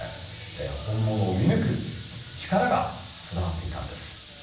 本物を見抜く力が備わっていたんです。